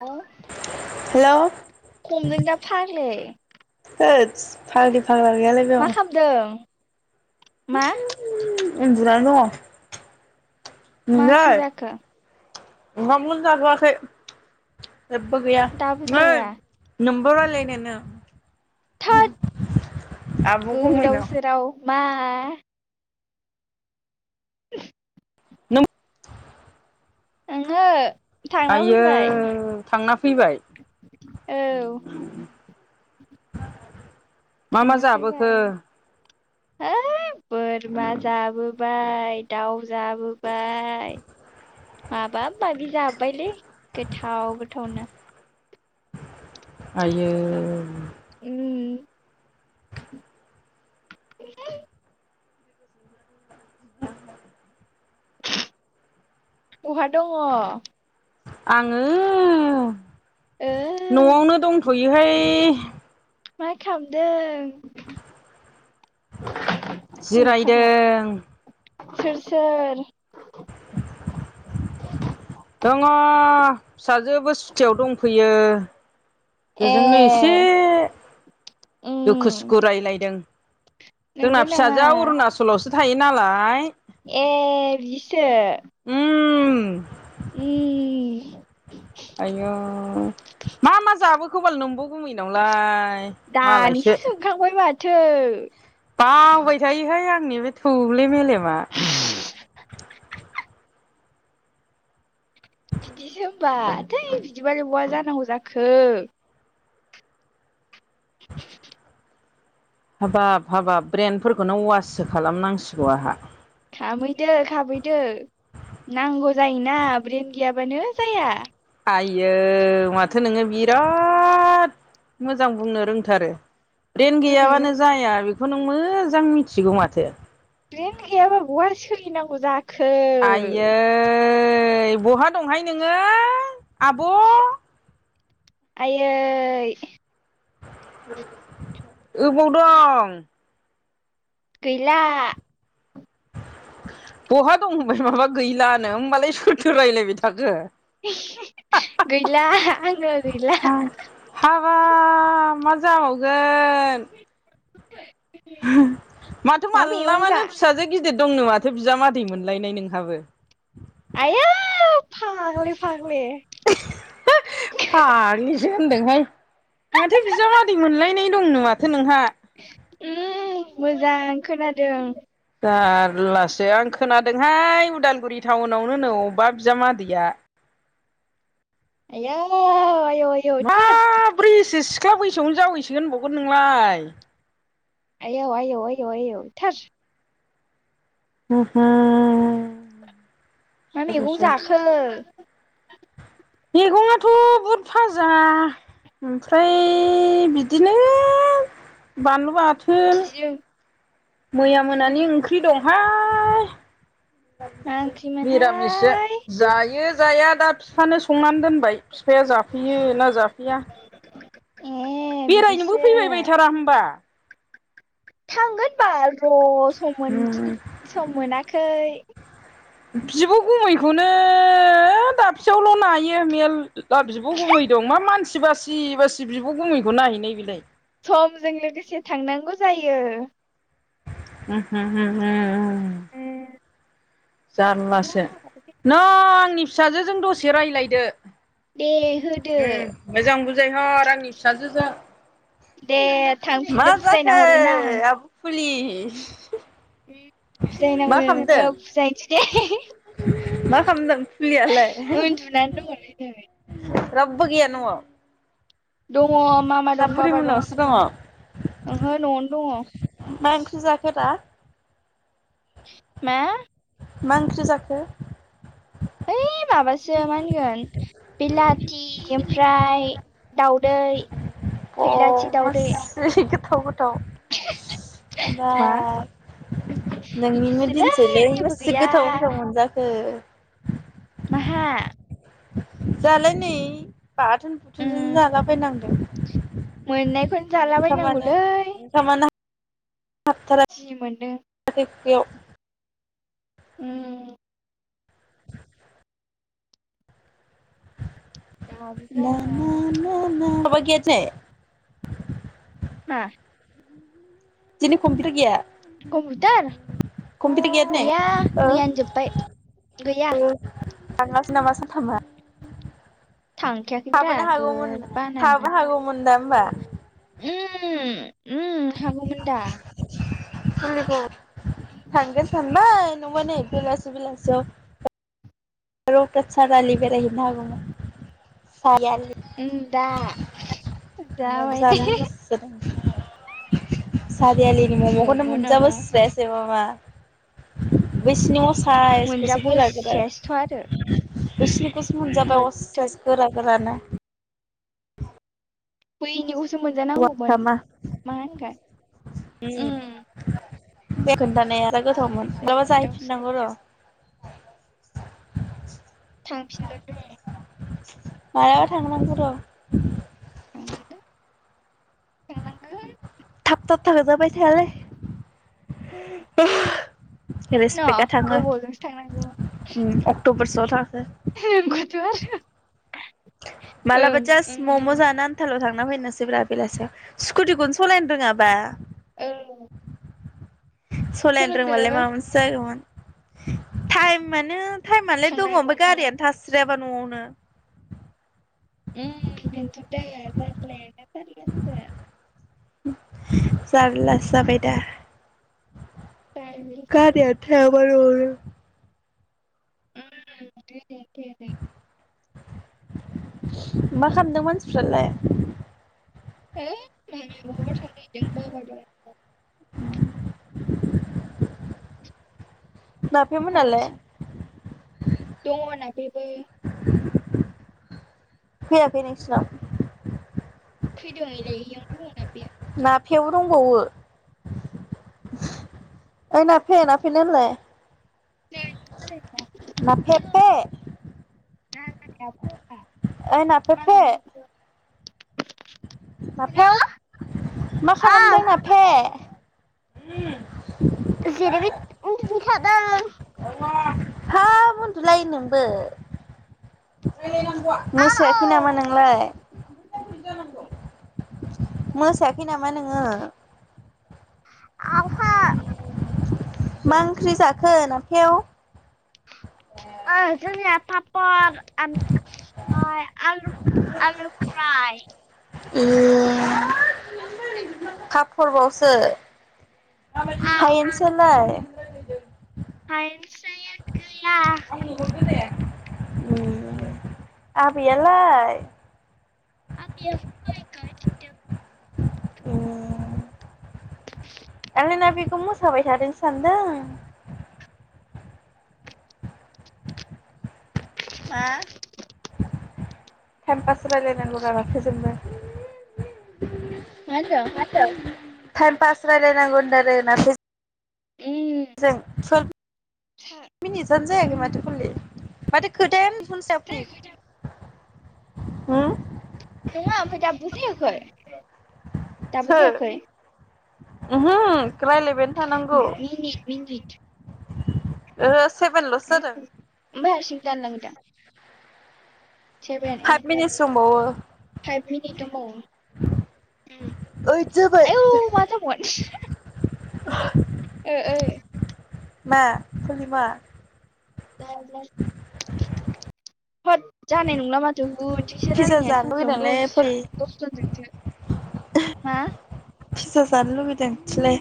अह hello खमदों दा फाग्लि थोदस फागलि फाग्ला गैआलै मा खालामदों मा उनदुना दङ मा ओंख्रि नोंलाय जाखो ओंखामखौनो जाथ'आखै जेबो गैया दाबो जाया नोमब रायलायनो नो थोद आब' गोदाव गुमैनाव सोराव मा उ [inaudible] नोम ओंहो आयो थांना फैबाय औ मा मा थांना जाबोखो फैबाय है बोरमा जाबोबाय दाउ जाबोबाय माबा माबि जाबायलै गोथाव गोथावनो आयो उम बहा दङ आङो न'आवनो दंथ'योहाय मा खालामदों नै फाग्ला जिरायदों सोर सोर दङ फिसाजोबो सुटियाव दंफैयो ए बेजोंनो एसे दुखु उम सुखु रायलायदों जोंना नंगौ नामा फिसाजोआ अरुनाचलावसो थायो नालाय ए बिसो उम आयु मा मा जाबोखोबाल नों ब गुमैनावलाय मालायसो दानिसो सोंखांबाय माथो। बावबाय थायोहाय आंनि बे थौले मेलेमा। बिदिसो होमबा थै बिदिबालाय बहा जानांगौ जाखो। हाबाब हाबाब ब्रेन्डफोरखौनो वाससो खालामनांसिगौ आहा। खामहैदो खामहैदो नांगौ जायोना ब्रेन गैयाबानो जाया। आयौ माथो नोङो बिराद मोजां बुंनो रोंथारो। ब्रेन उम गैयाबानो जाया बेखौ नों मोजां मिथिगौ माथो। ब्रेन गैयाबा बहा सोलिनांगौ जा आयै बहा दंहाय नोङो आब' आयै ओबाव दं गैला बहा दं होनबाय माबा गैलानो होमबालाय सोरथ रायजलायबाय थाखो गैला आङो गैला हाबा मा जाबावगोन माथो मा माला मैगं जा मानो फिसाजो गिदिर दंनो माथो बिजामादै मोनलायनाय नोंहाबो। आइयौ फाग्लि फाग्लि! फाग्लिसो होनदोंहाय माथो बिजामादै मोनलायनाय दंनो माथो नोंहा। उम मोजां खोनादों। दारलासो आं खोनादोंहाय उदालगुरि टाउनावनो होनो अबेबा बिजामादैया। आयो आयौ आयौ थोरस। प्रायब्रै सिख्ला बैसोआवनो जावैसगोन होनबावगोन नोंलाय? आयौ आयौ आयौ आयौ थोरस। हो हो। मा मेगं जाखो? मैगङाथ' बुद फाजा ओमफ्राय बिदिनो बानलु आथोन बिदिजों मैया ओमफ्राय मोनानि ओंख्रि दंहाय मा मिरामिससो ओंख्रिमोनहाय जायो। जाया दा फिफानो संनानै दोनबाय बिफाया जाफैयो ना जाफैया? ए बेरायनोबो बिदिसो फैबायबायथारा होमबा? थांगोन बाल र' सम मोनदि सम मोनाखै। बिब' गुमैखौनो दाबसेयावल' नायो मेल दा बिब' गुमै दं मा मानसि बासि बासि बिब' गुमैखौ नायहैनाय बेलाय? समजों लोगोसे थांनांगौ जायो। हो हो हो हो। उम, जारलासो न' आंनि फिसाजो जों दसे रायलायदो। दे होदो हु मोजां बुजाय हर आंनि फिसाजोजों। दे मा थांफिननो बुजायना जाखो हरगोन आं आब फुलि? मा फिजायनांगौ नोंखौ खालामदों बुजायनोसै दे। मा खालामदों उन्दुनानै दङलै नै। राबबो गैया न'आव? दङ मामा ना दं बुरि बाबा दं मोननावसो दङ ओहो न'आवनो दङ। मा ओंख्रि जाखो दा? मा? मा ओंख्रि जाखो? ओइ माबासो मा होनगोन बेलाथि ओमफ्राय दाउदै। फैलाथि अह दाउदै मास्सै गोथाव गोथाव। मा हाबाब! नोंनिनो इदिसोलै दिनसैलै जेबो मासे गैया गोथाव-गोथाव मोनजाखो? माहा? जालाय नै बाथोन-बुथोनजों उम जालाबायनांदों। मोननायखौनो ओंखामानो जालाबायनांगौलै। ओंखामानो हाबथारा। जि मोनदों। [unintelligible] उम। दाबो जाया आबा गियासै? हा दिनै कमपिटार गैया? कम्पुटार कम्पिउटार दिनै गैया ओ मैयानो जोब्बाय गैया। ओ थाङासै नामा साथामा? थांखायाखैब्रा थाबोनो हागौमोन गोद थाबोनो हागौमोन दा होमबा। उम-उम हागौमोन दा। थांगोन सानबाय नोंयाबा नै बेलासि-बेलासियाव। रौथा सारालि बेरायहैनो हागौमोन सारिआलि। ओं दा-दाबाय दे। सारि आलिनि मैगंखौनो मम' नामा मोनजाबोस्रायासै मामा। बैसिनि असाइसखौसो गोरा-गोरा। थ' आरो। बैसिनिखौसो मोनजाबाय होद थोद असाइस गोरा-गोरानो। बैनिखौसो मोनजानांगौमोन थामा मा होनोथाय ओम। बे खोनथानाया आरो गोथावमोन माबा गोदाव सोराव जाहैफिननांगौ र'। थांफिनगोन र'। मालाबा थांनांगोन र'। थांनांगोन थांनांगोन थब थांजाबाय थायालै। न' रेसपेकआ थाङो गोबावजोंसो थांनांगौ अक्ट'बरसोआव थांगोन। नोंगौथ' आरो। मालाबा ओं जास मम' जानो। आनथाल'थांना फैनोसै ब्रा बेलासियाव स्कुटिखौनो सलायनो रोङाबा। औ। सलायनो रोंबालाय माबा मोनसे जागौमोन टाइमानो। टाइमालाय दङ थांनो हागौमोन ओमफ्राय नामा गारियानो थास्रायाबा न'आवनो। ओम बिनोथ' जाहैबाय [unintelligible] जारलासो जाबाय दा जारबिसो गारिया। थायाबा न'आवनो। [inaudible] मा खामदों मानसिफ्रालाय? है मामिया बहाबा थांनो नागिरदों बाबा दं। ओम। नाफेमोना लाय? दङ' नाफेबो। फैयाखै नोसोरनाव? फैदों लाय बेयावनो दङ'ना बेयो। नाफेआबो दंबावो? ओइ नाफे- नाफेनो होलाय। हेल' नाफे पे। ओइ [inaudible] नाफेव मा खालामदों नाफे? जिरायबाय उन्दुबाय थादों हाब उन्दुलायो नोंबो औ मोसायाखै औ नामा नोंलाय? [unintelligible] मोसायाखै नामा नोङो? आवफा मा ओंख्रि जाखो नाफेव? ओ जोंनिया पापर। ओमफ्राय आलु- आलु फ्राय ए। [inaudible] फाफर बावसो हायेनसायालाय? हायेनसाया गैया। आबैयालाय? [unintelligible] गायदों ए आंलाय ना बिखौ मोसाबाय थादों सानदों मा टाइम पास रायलायनांगौ जाबासो जोंबो मा होनदों? ताइम पास रायजलायनांगौ होनदों [unintelligible] उम जों मिनिटसानो जायाखै माथो खलि माथो खोथायानो [unintelligible] होम नङा ओमफाय दाबो जायाखै दाबो सोर जायाखै उमहो रायलायबाय मिनिट मिनिट ओ सेभेनल'सो जादों ओफाय हारसिंनो दानलाङो दा? Seven five eight nine minutes दंबावो टेन फाइभ मिनिट दंबावो ओइद जाबाय आयौ मा जाबावगोन ओ ओ मा खलि मा होत जानाय नंला माथ जों थिसो पिज्जा राननाया जानो सानसेयावनो लुगैदोंलै दसरा फुलि दसराजोंसो मा खुसि जानो लुुबैदों थिलाय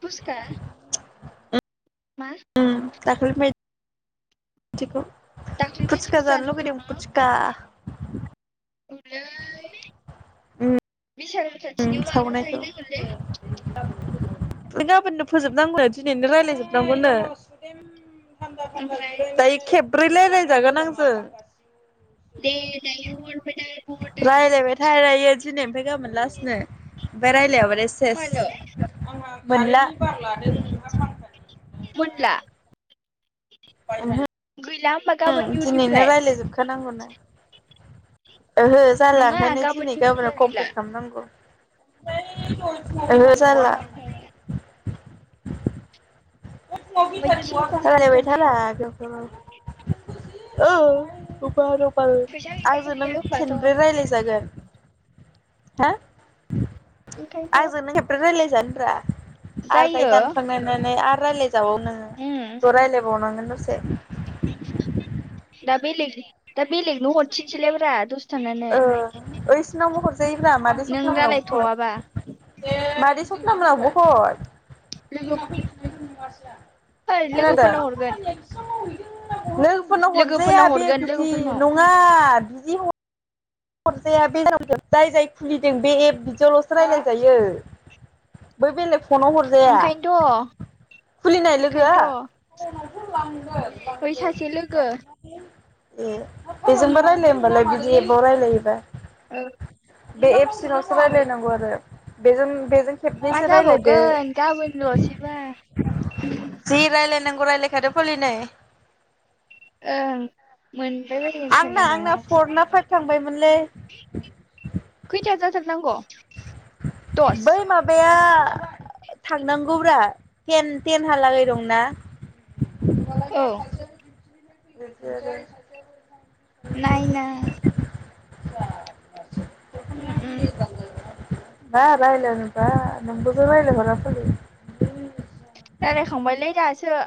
फुसका मा? दाखलैनि बादिखौ दाख्लै फुसुका बायदिबो जानो लुगैदों लुबैदों फुसुका औलै बिसालनि उम खाथिनियाव मालाबा सावनायखौ जाहैनांगोनलै गाबोननो फोजोबनांगौनो दिनैनो रायज्लायजोबनांगौनो ओमफ्राय दायो खेब्रै रायलायजागोन आंजों दे दायो [unintelligible] हर रायलायबायथा दायो दिनैनिफ्राय गाबोन लासनो ओमफफ्राय रायलायाबाथाय मानो सेसनो मोनला मोनला उमहो गैला होमबा गाबोन दिनैनो इयुननिफ्राय रायज्लायजोबखानांगौ नो ओहो जाला नङा ओंखायनो गाबोन दिनै गाबोनाव इयुननिफ्राय गैला कमप्लिट खालामनांगौ आस ओमफ्राय ओमफ्राय थिन खनसे लि बायथा दोनथारनांगौ न औ रबार फैस गल न फाथ' ोन ओंखायनोथ' आजोंनो बल जान आरो दायो जायो दानखांनानै आरो रायज्लायजाबाव उम नोङो' रायज्लायबावनांगोन दसे दा बेलेग दा बेलेगनो हरफिनसैलाय [unintelligible] दसे थानानै ओ ओइसिनावबो हरजायो [unintelligible] मादै नों सपना मोनावबो रायलायथ'वाबा हर मादै सपना मोनावबो हर लोगो ओइ खोनादों लोगोफोरनाव हरगोन लोगोफोरनो हरजाया लोगोफोरनाव बे हरगोन बिदि लोगोफोरनाव नङ बा बिदि ह हरजाया [unintelligible] जाय जाय खुलिदों बे एप बिदियावल'सो रायलाय जायो बै बेलेग फनाव हर ओंखायनोथ' खुलिनाय लोगोआ ओंखायनोथ' बै सासे लोगो ए बेजोंबा रायलायो होमबालाय बिदि एबाव रायजलायोबा औ बे एबसिनावसो राय्लायनांगौ आरो बेजों बेजों मा खेबनैसो रायलायदो जाबावगोन गाबोनल'सैबो जि रायलायनांगौ रायलायखादो फग्लि नै ओं मोनबाय बायगोन खोमा आंना नामा आंना फर ना फाइभ थांबायमोनलै खैथा जाथारनांगौ दस बै मा माबाया थांनांगौब्रा टेन टेनहालागै दंना औ [unintelligible] नायना उम उम बा रायलायनोबा नोमब' [inaudible] रायालायखांबायलै दासो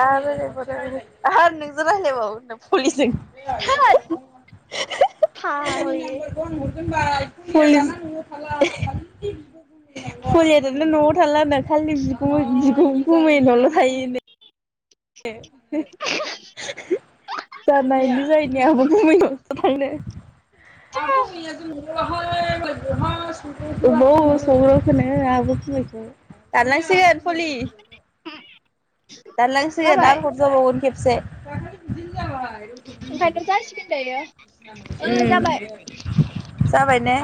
आरो [unintelligible] आरो नोंजों रायलायबावो [unintelligible] थोद फाग्लि [unintelligible] [unintelligible] [unintelligible] दाना न'आव थालानो खालि बिगुमै बिगु गुमै नावल' थायो नो [unintelligible] जानायनि जाहैनि [unintelligible] गुमैनाव थांनो [unintelligible] थो [unintelligible] ओबाव सौग्रावखोनो आबो [inaudible] लिखौ दानलांसिगोन फलि दानलांसिगोन जाबाय आरो हरजाबावगोन खेबसे ओंखायथ' जासिगोन दायो ओ उम जाबाय जाबाय ने